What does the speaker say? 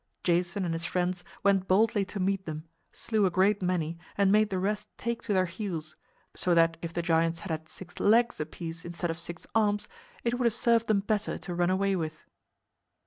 Jason and his friends went boldly to meet them, slew a great many and made the rest take to their heels so that if the giants had had six legs apiece instead of six arms, it would have served them better to run away with.